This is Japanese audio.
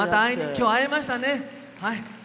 今日会えましたね。